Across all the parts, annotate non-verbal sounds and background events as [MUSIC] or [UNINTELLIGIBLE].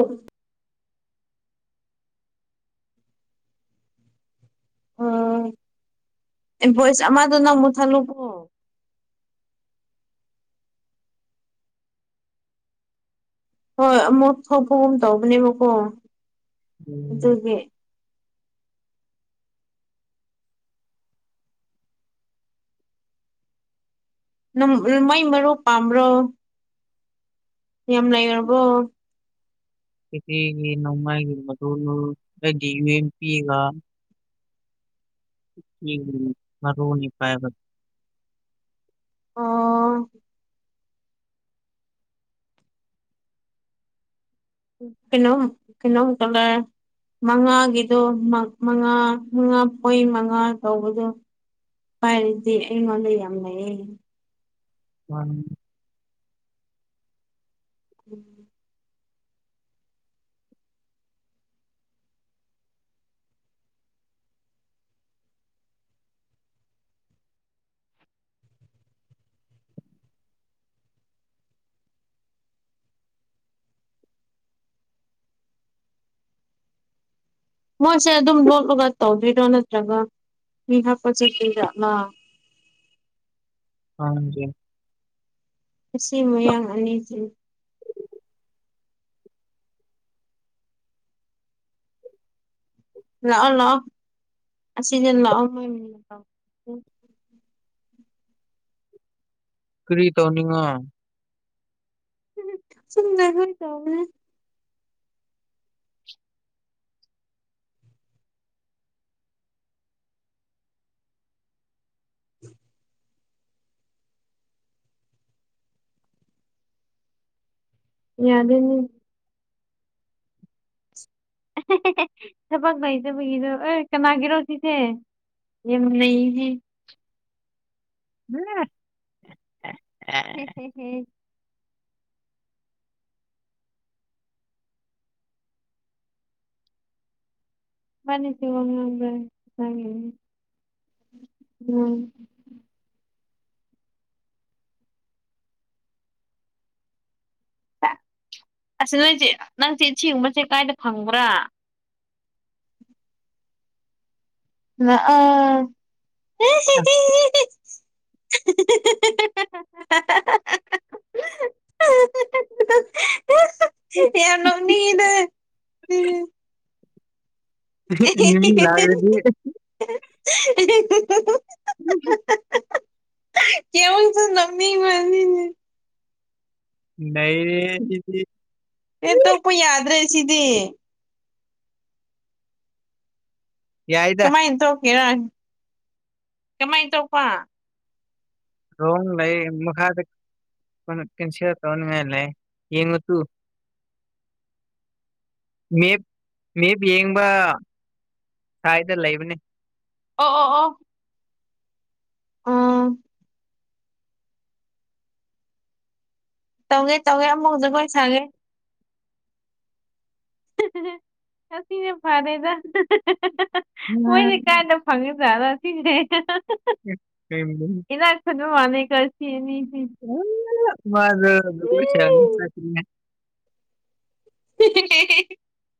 ꯎ [INAUDIBLE] ꯎꯝ ꯚꯣꯏꯁ ꯑꯃꯗ ꯅꯪ ꯃꯨ ꯊꯜꯂꯨꯀꯣ ꯍꯣꯏ ꯑꯃꯨꯛ ꯊꯣꯛꯄꯒꯨꯝ ꯇꯧꯕꯅꯦꯕꯀꯣ ꯑꯗꯨꯒꯤ ꯃꯩ ꯃꯔꯨ ꯄꯥꯝꯕꯔꯣ ꯌꯥꯝ ꯂꯩ ꯔꯕꯣ ꯀꯒꯤ ꯅꯣꯡꯃꯥꯏꯒꯤꯗꯨ ꯌꯨꯦꯝ ꯄꯤꯒ ꯎ ꯃꯔ ꯔꯣꯅꯤ ꯐꯥꯏꯕ ꯑꯣ ꯀꯩꯅꯣ ꯀꯩꯅꯣ ꯆꯂ ꯃꯉꯥꯒꯤꯗꯣ ꯃꯉꯥ ꯃꯉꯥ ꯄꯣꯏ ꯃꯉꯥ ꯇꯧꯕꯗꯣ ꯄꯔꯔꯗꯤ ꯑꯩꯉꯣꯟꯗ ꯌꯦꯃꯦꯂꯦ ꯎꯝ ꯎꯝ ꯃꯣꯏꯁꯦ ꯑꯗꯨꯝ ꯂꯣꯂꯒ ꯇꯧꯗꯣꯏꯔꯣ ꯅꯠꯇ꯭ꯔꯒ ꯃꯤꯍꯄꯣ ꯆꯦꯀꯤꯗꯃ ꯍ ꯑꯁꯤ ꯃꯌꯥꯡ ꯑꯅꯤꯁꯤ ꯂꯥꯛꯑꯣ ꯂꯥꯛꯑꯣ ꯑꯁꯤꯁꯤ ꯂꯥꯛꯑꯣꯑꯣ ꯀꯔꯤ ꯇꯧꯅꯤꯡꯉꯣ ꯁꯅꯔ ꯍ ꯇꯎ [UNINTELLIGIBLE] ꯌꯥ ꯑꯗꯨꯅꯤ ꯊꯕꯛ ꯂꯩꯇꯕꯨꯒꯤꯗꯣ ꯑꯦ ꯀꯅꯥꯒꯤꯔꯣ ꯁꯤꯁꯦ ꯌꯥꯝ ꯂꯩ ꯍꯝ ꯍꯝ ꯍꯝ ꯃꯅꯤꯁꯤ ꯋꯥꯗ ꯎꯝ ꯑ ꯅꯣꯏꯁꯦ ꯅꯪꯁꯦ ꯁꯤꯒꯨꯝꯕꯁꯦ ꯀꯥꯏꯗ ꯐꯪꯕ꯭ꯔꯥ ꯑ ꯑꯝ [UNINTELLIGIBLE] ꯌꯥꯝꯅꯅꯤꯗ ꯎꯝ ꯂꯗꯤ ꯎꯝ ꯀꯍ ꯇ ꯅꯃꯤ ꯃꯥꯅꯤꯅꯦ ꯅꯗꯤ ꯑꯦ ꯇꯄꯣꯏ ꯌꯥꯗ ꯔꯦꯁꯤꯗꯤ ꯌꯥꯏꯗ ꯍꯦꯔꯥꯟ ꯀꯃꯥꯏꯅ ꯇꯧꯕꯧꯕ ꯔꯣꯝ ꯂꯩ ꯃꯈꯥꯗ ꯀ ꯀꯩꯅꯁꯤ ꯇꯧꯅꯤꯡꯉꯥꯏ ꯂꯩꯦ ꯌꯦꯡꯉ ꯇꯨ [UNINTELLIGIBLE] ꯃꯦꯞ ꯌꯦꯡꯕ ꯁꯋꯥꯗ ꯂꯩꯕꯅꯦ ꯑ ꯑ ꯑ ꯎꯝ ꯇꯧꯒꯦ ꯇꯧꯒꯦ ꯑꯃꯨꯛꯐꯛꯇ ꯀꯣꯏ ꯁꯥꯒꯦ ꯉꯁꯤꯅꯦ ꯐꯥꯗꯦꯗ ꯃꯣꯏꯗꯤ ꯀꯥꯏꯅ ꯐꯪꯉꯤꯗꯥꯠꯅꯣ ꯁꯤꯁꯦ ꯎ ꯃꯅꯤ ꯀꯁꯤꯅꯤ ꯎ ꯑꯗꯨ ꯑꯗꯨ ꯆꯇꯔꯤ [UNINTELLIGIBLE]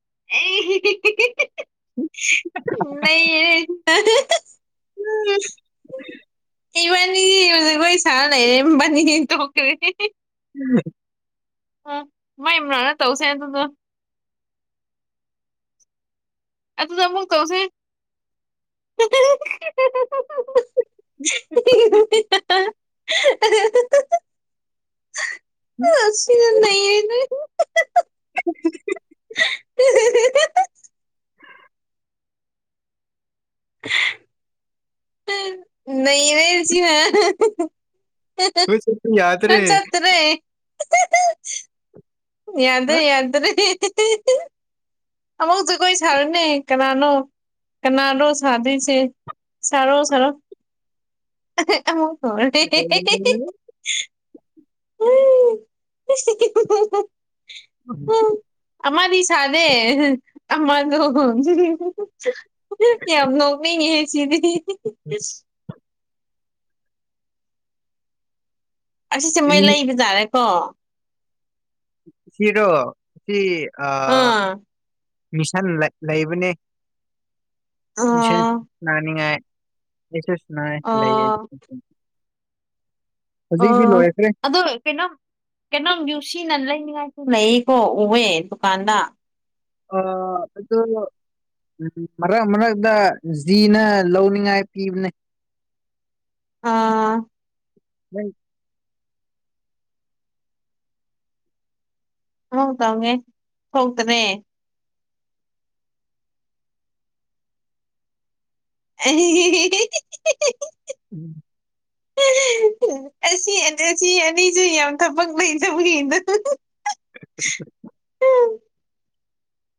ꯅ ꯎꯝ ꯏꯕꯥꯅꯤꯖꯒ ꯆꯥꯅ ꯏꯕꯥꯅꯤ ꯇ ꯎꯝ [UNINTELLIGIBLE] [INAUDIBLE] ꯍꯝ ꯃꯥꯏ ꯃꯅꯛꯇꯥ ꯇꯧꯁꯦ ꯇꯗ ꯑ ꯑꯗꯨꯗꯃꯨꯛ ꯀꯧꯁꯦ [UNINTELLIGIBLE] [INAUDIBLE] ꯁ ꯅꯌꯦ ꯅ [INAUDIBLE] [UNINTELLIGIBLE] [UNINTELLIGIBLE] [INAUDIBLE] ꯅ ꯃꯔꯁꯤ ꯍ ꯅꯣꯏ ꯆꯠꯄ ꯌꯥꯗ꯭ꯔꯦ ꯆꯠꯇꯔꯦ ꯌꯥꯗꯦ ꯌꯥꯗ꯭ꯔꯦ ꯑꯃꯛ ꯇ ꯀ ꯁꯔꯅꯦ ꯀꯅꯥꯅꯣ ꯀꯅꯥꯔꯣ ꯁꯥꯗꯤꯁꯤ ꯁꯔꯣ ꯁꯔꯣ ꯍꯣꯇ [INAUDIBLE] [UNINTELLIGIBLE] ꯑꯔꯤ [INAUDIBLE] [UNINTELLIGIBLE] ꯊꯅꯦ ꯑꯗ [INAUDIBLE] [UNINTELLIGIBLE] ꯀ ꯅ ꯆꯗꯤ [INAUDIBLE] [UNINTELLIGIBLE] ꯑꯁꯤꯁꯦ ꯃꯣꯏ ꯂꯩꯕ ꯇꯥꯔꯦꯀꯣ ꯁꯤꯔꯣ ꯁꯤ ꯑ ꯑꯥ ꯃꯤꯁꯟ ꯂꯩꯕꯅꯦ ꯑꯣ ꯁꯅꯤꯡꯉꯥꯏꯁꯨ ꯁ ꯂꯩ ꯑꯣ ꯑꯣ ꯑꯗꯣ ꯀꯩꯅꯣ ꯀꯩꯅꯣ ꯌꯨꯁꯤꯤ ꯅꯦ [INAUDIBLE] ꯅ ꯀꯣ ꯎꯦ ꯗꯨꯀꯥꯟꯗ ꯑ ꯑꯗꯨꯗꯣ ꯎꯝ ꯃꯔꯛ ꯃꯔꯛꯇ ꯖꯤꯅ ꯂꯧꯅꯤꯉꯥꯏ ꯄꯤꯕꯅꯦ ꯑꯥ [UNINTELLIGIBLE] [INAUDIBLE] ꯎꯝ [INAUDIBLE] [UNINTELLIGIBLE] ꯍꯗꯦ [UNINTELLIGIBLE] ꯍꯇ꯭ꯔꯦ ꯑ [UNINTELLIGIBLE] [INAUDIBLE] ꯎꯝ [UNINTELLIGIBLE] [INAUDIBLE] [UNINTELLIGIBLE] ꯑꯁꯤ ꯑꯅꯤ ꯑꯁꯤ ꯑꯅꯤꯁꯨ ꯌꯥꯝ ꯊꯕꯛ ꯂꯩ ꯊꯕꯒꯤꯗ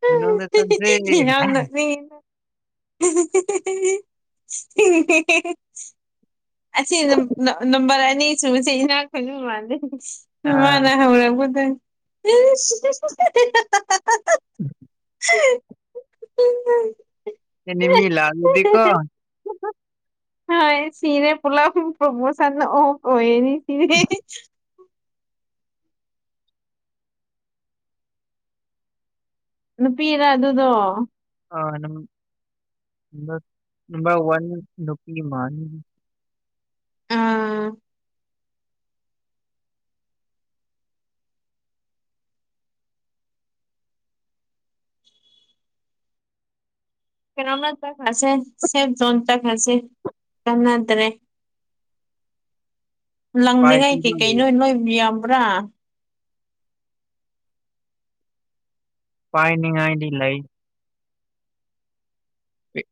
ꯃꯅꯨꯡꯗ ꯆꯪꯁꯦ ꯌꯥ [UNINTELLIGIBLE] [INAUDIBLE] [UNINTELLIGIBLE] [INAUDIBLE] ꯑꯁꯤ ꯅꯝꯕꯔ ꯑꯅꯤ ꯁꯨꯁꯦ ꯏꯅꯥꯛ ꯈꯨꯣꯏꯁꯨ ꯃꯥꯟꯗꯦ ꯑꯥ ꯃꯥꯅ ꯍꯔꯗ [UNINTELLIGIBLE] [INAUDIBLE] ꯎꯝ [UNINTELLIGIBLE] [INAUDIBLE] ꯎꯝ ꯎꯝ [UNINTELLIGIBLE] [INAUDIBLE] ꯀꯅꯤ ꯃꯤ ꯂꯥ ꯂꯗꯤ ꯀꯣ ꯍ ꯁꯤꯔꯦ ꯄꯨꯂꯞ ꯄ꯭ꯔꯣꯃꯣꯁꯟ ꯑꯣ ꯀꯣꯏꯅꯤ ꯁꯤꯔꯦ ꯅꯨꯄꯤꯅ ꯑꯗꯨꯗꯣ ꯑ ꯅꯝꯕꯔ ꯋꯥꯟ ꯅꯨꯄꯤꯒꯤ ꯃꯥꯅꯤ ꯑꯥ [UNINTELLIGIBLE] [INAUDIBLE] ꯀꯧꯅꯥ ꯇ ꯍꯁꯦ ꯁꯦꯐ ꯖꯣꯟ ꯇ ꯍꯥꯁꯦ ꯀꯅꯥꯗꯔꯦ [INAUDIBLE] ꯂꯪꯂꯤꯉꯥꯏ ꯄꯥꯏꯁꯤꯔꯣ ꯀꯩꯀꯩ ꯅꯣꯏ ꯅꯣꯏꯕ ꯌꯥꯕ꯭ꯔꯥ ꯄꯥꯏꯅꯤꯡꯉꯥꯏꯗꯤ ꯂꯩ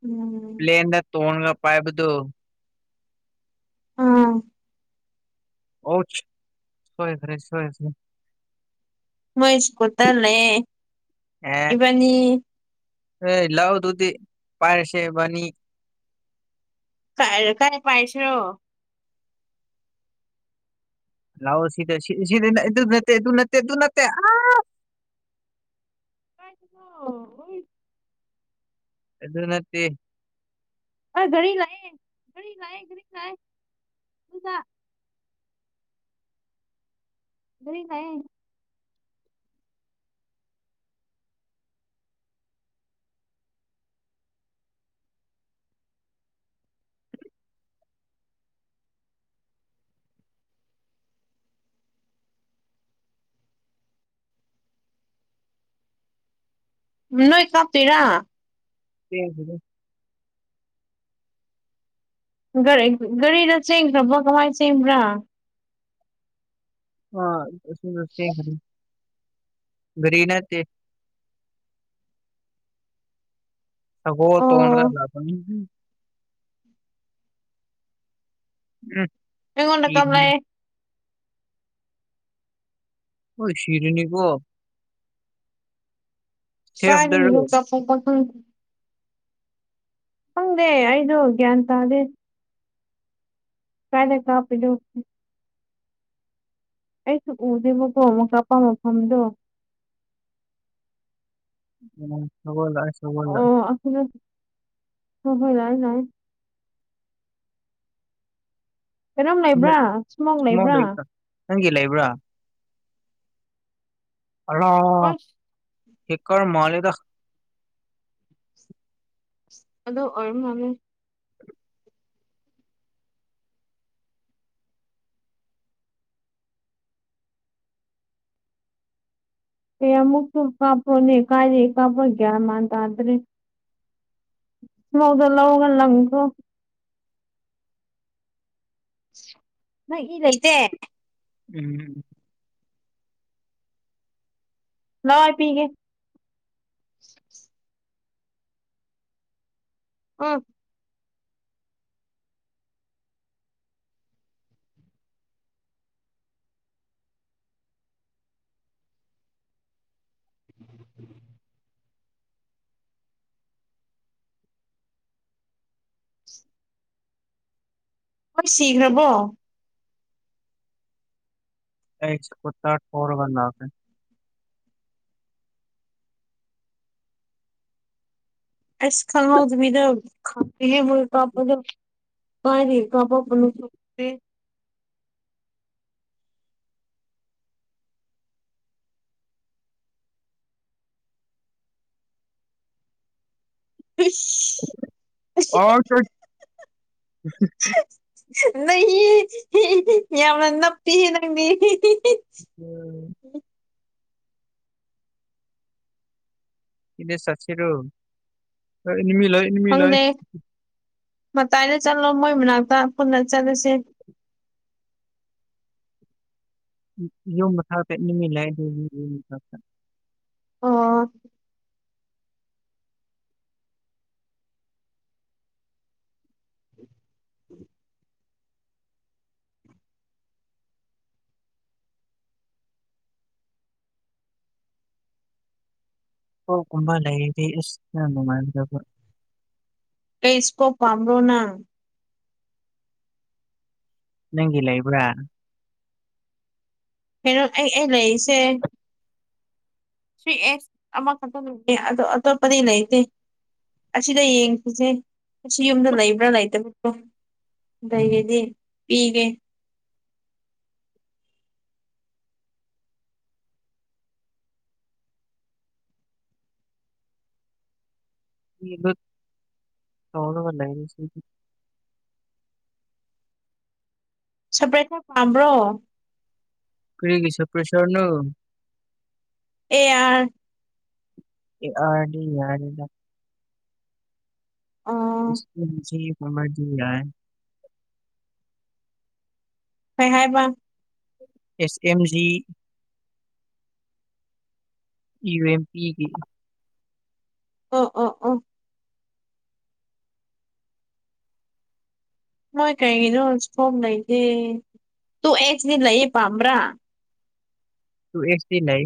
ꯎꯝ ꯄ꯭ꯂꯦꯟꯗ ꯇꯣꯡꯒ ꯄꯥꯏꯕꯗꯨ ꯑ [UNINTELLIGIBLE] [INAUDIBLE] ꯑꯣ ꯁꯣꯏ ꯐꯔꯦ ꯁꯣꯏ ꯐꯦ ꯃꯣꯏꯁ ꯀꯠꯇꯂꯦ ꯑꯦ ꯏꯕꯅꯤ [INAUDIBLE] [UNINTELLIGIBLE] ꯑꯦ ꯂꯥꯎ ꯇꯨꯗꯤ ꯄꯔꯁꯦ ꯅꯤ ꯀ ꯀꯥꯏ ꯄꯥꯏꯁꯤ꯭ꯔꯣ ꯂꯑꯣ ꯁꯤꯗ ꯅꯠꯇꯦ ꯇ ꯅꯠꯇꯦ ꯇ ꯅꯠꯇꯦ ꯀ [UNINTELLIGIBLE] [INAUDIBLE] ꯑꯗꯨ ꯅꯠꯇꯦ꯫ ꯑ ꯒꯔꯤ ꯂꯥꯛꯑꯦ ꯒꯔꯤ ꯂꯛꯑꯦ ꯒꯔꯤ ꯂꯛꯑꯦ [UNINTELLIGIBLE] ꯒꯔꯤ ꯂꯛꯑꯦ꯫ ꯅꯣꯏ ꯀꯥꯞꯇꯣꯏꯔꯥ꯫ ꯑꯦ [UNINTELLIGIBLE] ꯒꯥꯔꯤ ꯒꯥꯔꯤꯗ ꯆꯦꯡꯈ꯭ꯔꯕ ꯀꯃꯥꯏꯅ ꯆꯦꯡꯕ꯭ꯔꯥ꯫ ꯑ ꯑꯗꯨ [UNINTELLIGIBLE] ꯆꯦꯟꯈꯔꯦ꯫ ꯒꯔꯤꯅꯠꯇꯦ꯫ [UNINTELLIGIBLE] ꯑꯣ [UNINTELLIGIBLE] ꯎꯝ꯫ ꯑꯩꯉꯣꯟꯗ ꯇꯝꯃꯦ꯫ ꯁꯤꯔꯅꯤ ꯑꯣ ꯁꯤꯔꯤꯅꯤꯀꯣ꯫ ꯁꯔꯤ ꯁꯦꯐꯗꯔꯣ [UNINTELLIGIBLE] [UNINTELLIGIBLE] ꯈꯪꯗꯦ ꯑꯩꯗꯨꯒ꯭ꯌꯟ ꯇꯗꯦ꯫ ꯀꯥꯏꯗ ꯀꯥꯞꯄꯤꯅꯣ꯫ ꯑꯩꯁꯨ ꯎꯗꯦꯕꯀꯣ ꯑꯃꯨꯛ ꯀꯥꯞꯄ ꯃꯐꯝꯗꯣ꯫ ꯎꯝ [UNINTELLIGIBLE] ꯑꯣ ꯑꯩꯈꯣꯏ ꯍꯣꯏ ꯍꯣꯏ ꯌꯥꯏꯌꯦ ꯌꯥꯏꯌꯦ ꯫ ꯀꯔꯝ ꯏꯁꯃꯣꯛ ꯂꯩꯕ꯭ꯔꯥ ꯁꯨꯃꯥꯡ ꯏꯁꯃꯣꯛ ꯂꯩꯕ꯭ꯔꯥ꯫ ꯅꯪꯒꯤ ꯂꯩꯕ꯭ꯔꯥ ꯍꯔ ꯑꯁ ꯀꯦꯀꯔ ꯃꯥꯂꯦꯗ꯫ ꯑꯗꯣ ꯑꯣꯏꯔꯃꯥꯜꯂꯦ꯫ ꯑꯩ ꯑꯃꯃꯨꯛꯄꯨ ꯀꯥꯄꯣꯅꯦ ꯀꯥꯔꯤ ꯀꯥꯄꯣ꯭ꯔ ꯒꯟꯃꯥꯟ ꯇꯗꯔꯦ꯫ ꯂꯧꯗ ꯂꯧꯒ ꯂꯪꯒꯣꯔ꯫ ꯅꯪ ꯏ ꯂꯩꯇꯦ꯫ ꯎꯝ꯫ ꯂꯥꯎ ꯑꯩ ꯄꯤꯒꯦ꯫ ꯑꯪ꯫ ꯍꯣꯏ ꯁꯤꯈ꯭ꯔꯕꯣ꯫ ꯑꯩꯁ ꯀꯇꯥ [UNINTELLIGIBLE] ꯑꯁ ꯈꯪꯍꯧꯗꯕꯤꯗ [UNINTELLIGIBLE] ꯀꯞꯄꯥꯗꯣ꯫ ꯀꯥꯏꯔꯤ ꯀꯥꯞ ꯄꯛꯄꯅꯣ꯫ ꯏꯁ꯫ [UNINTELLIGIBLE] ꯅꯩ ꯌꯥꯝꯅ ꯅꯞꯄꯤꯍꯦ ꯅꯪꯗꯤ꯫ ꯎꯝ꯫ ꯏꯅꯦ ꯁꯥꯁꯤꯔꯣ ꯏꯅꯤꯃꯤ ꯂꯥꯛ ꯑꯦ ꯏꯅꯤꯃꯤ ꯂꯥꯛ ꯑꯦ꯫ ꯈꯪꯗꯦ ꯃꯇꯥꯏꯗ ꯆꯠꯂꯣ ꯃꯣꯏ ꯃꯅꯥꯛꯇ ꯄꯨꯟꯅ ꯆꯠꯂꯁꯦ꯫ ꯌꯨꯝ ꯃꯈꯥ ꯆꯠꯅꯤꯡꯉꯏ [UNINTELLIGIBLE] ꯑꯥ꯫ [UNINTELLIGIBLE] ꯑꯣ ꯀꯨꯝꯕ ꯂꯩꯗꯤ ꯏꯁꯅ ꯅꯨꯡꯉꯥꯏꯒꯗꯕ꯫ ꯀꯩ ꯏꯁꯀꯣꯞ ꯄꯝꯕꯔꯣꯅ꯫ ꯅꯪꯒꯤ ꯂꯩꯕ꯭ꯔꯥ꯫ ꯍꯩꯔꯣꯠ ꯑꯩ ꯑꯦ ꯂꯩꯏꯁꯦ꯫ ꯊꯔꯤ ꯑꯦꯁ ꯑꯃꯈꯇ [UNINTELLIGIBLE] ꯑꯗꯣ ꯑꯇꯣꯞ ꯄꯗꯤ ꯂꯩꯇꯦ꯫ ꯑꯁꯤꯗ ꯌꯦꯡꯁꯤꯁꯦ ꯑꯁꯤ ꯌꯨꯝꯗ ꯂꯩꯕ꯭ꯔꯥ ꯂꯩꯇꯕꯔꯗꯣ꯫ ꯎꯝ. ꯂꯩꯩꯔꯗꯤ ꯄꯤꯒꯦ꯫ [UNINTELLIGIBLE] ꯇꯧꯔꯂꯩꯅ ꯁꯤ [UNINTELLIGIBLE] ꯁꯄ꯭ꯔꯦꯠꯈꯔ ꯄꯥꯝꯕ꯭ꯔꯣ꯫ ꯀꯒꯤꯁ ꯄ꯭ꯔꯁꯔꯅ ꯑꯦꯌꯥ ꯑꯅꯤ ꯌꯥꯔꯗ ꯑꯣ ꯏꯁꯀꯤꯦ ꯀꯃꯔ ꯌꯥꯏ ꯍꯩ ꯍꯥꯏꯕ ꯑꯦꯁ ꯑꯦꯝꯖꯤ ꯏ ꯑꯦꯦꯝ ꯄꯤꯒꯤ ꯑ ꯑ ꯑ ꯃꯣꯏ ꯀꯩꯒꯤꯅꯣ ꯐꯣꯝ ꯂꯩꯇꯦ ꯇꯨ ꯑꯦꯁꯗꯤ ꯂꯩꯌꯦ ꯄꯥꯝꯕ꯭ꯔꯥ ꯇꯨ ꯑꯦꯁꯤ ꯂꯩ